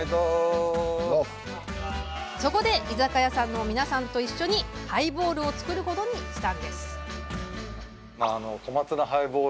そこで、居酒屋の皆さんと一緒にハイボールを作ることにしたんです。